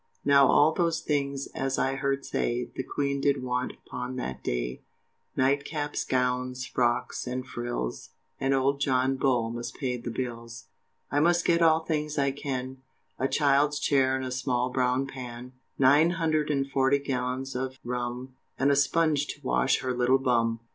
Now all those things, as I heard say, The Queen did want upon that day, Night caps, gowns, frocks, and frills, And old John Bull must pay the bills. I must get all things I can, A child's chair and a small brown pan, Nine hundred and forty gallons of rum, And a sponge to wash her little bum.